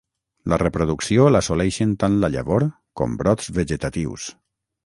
La reproducció l'assoleixen tant la llavor com brots vegetatius.